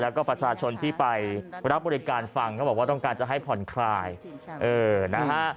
แล้วก็ประชาชนที่ไปรับบริการฟังเขาบอกว่าต้องการจะให้ผ่อนคลายเออนะฮะ